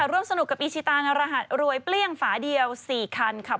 ร่วมสนุกกับอีชิตางรหัสรวยเปรี้ยงฝาเดียว๔คันค่ะ